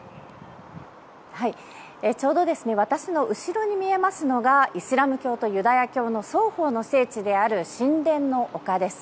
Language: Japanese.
ちょうど私の後ろに見えますのがイスラム教とユダヤ教の双方の聖地である神殿の丘です。